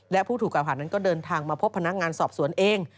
และผู้ถูกกล่าวหานั้นก็เดินทางมาพบพนักงานสอบสวนเอง